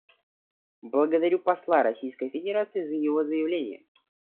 Благодарю посла Российской Федерации за его заявление.